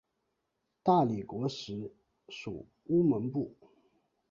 大理国时属乌蒙部。